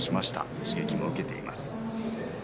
刺激も受けています。